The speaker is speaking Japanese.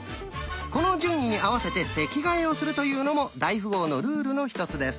この順位に合わせて席替えをするというのも大富豪のルールの一つです。